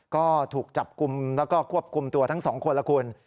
ก็ถูกจับกลุ่มแล้วก็ควบคุมตัวทั้งสองคนละคุณ